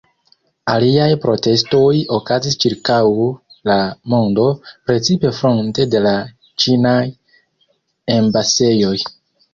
Aliaj protestoj okazis ĉirkaŭ la mondo, precipe fronte de la ĉinaj embasejoj.